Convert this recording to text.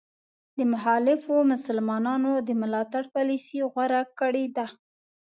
د مخالفو مسلمانانو د ملاتړ پالیسي غوره کړې ده.